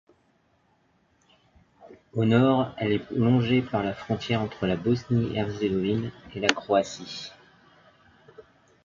Au nord, elle est longée par la frontière entre la Bosnie-Herzégovine et la Croatie.